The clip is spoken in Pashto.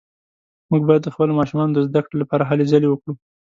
موږ باید د خپلو ماشومانو د زده کړې لپاره هلې ځلې وکړو